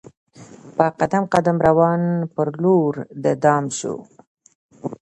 په قدم قدم روان پر لور د دام سو